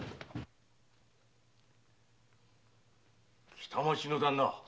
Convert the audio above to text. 北町の旦那。